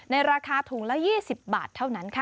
ราคาถุงละ๒๐บาทเท่านั้นค่ะ